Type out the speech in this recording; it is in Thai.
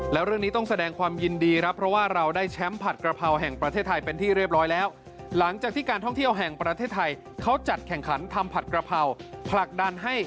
แล้วเรื่องนี้ต้องแสดงความยินดีครับเพราะว่าเราได้แชมป์ผัดกระเพราแห่งประเทศไทยเป็นที่เรียบร้อยแล้วหลังจากที่การท่องเที่ยวแห่งประเทศไทยเขาจัดแข่งขันทำผัดกระเพราผลักดันให้